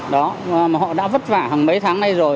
đó mà họ đã vất vả hàng mấy tháng nay rồi